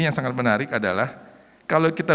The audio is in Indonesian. yang sangat menarik adalah kalau kita